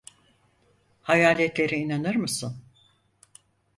Hayaletlere inanır mısın?